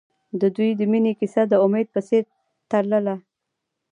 د دوی د مینې کیسه د امید په څېر تلله.